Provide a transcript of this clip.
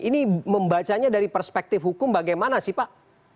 ini membacanya dari perspektif hukum bagaimana sih pak